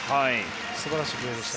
素晴らしいプレーでした。